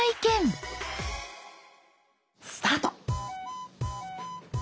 スタート。